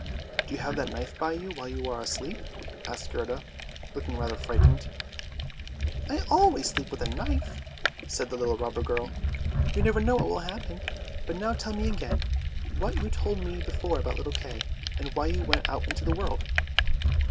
" Do you have that knife by you while you are asleep? " asked Gerda, looking rather frightened. " I always sleep with a knife," said the little robber girl. ' You never know what will happen. But now tell me again what you told me before about little Kay, and why you went out into the world."